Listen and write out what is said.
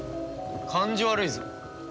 感じ悪いぞ。